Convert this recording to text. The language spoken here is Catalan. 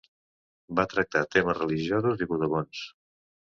Va tractar temes religiosos i bodegons.